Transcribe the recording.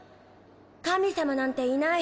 神様なんていない。